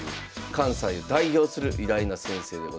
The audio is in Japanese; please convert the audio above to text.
関西を代表する偉大な先生でございます。